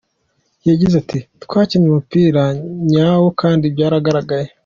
Yagize ati “Twakinnye umupira nyawo kandi byaragaragaye .